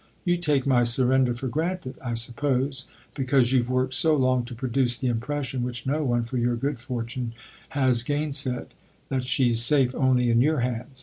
"You take my surrender for granted, I suppose, because you've worked so long to produce the impression, which no one, for your good fortune, has gainsaid, that she's safe only in your hands.